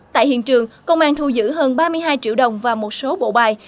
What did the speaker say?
tại hiện trường công an thu giữ hơn ba mươi hai triệu đồng và một số bộ bài